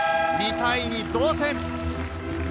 ２対２、同点。